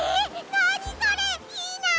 なにそれいいな！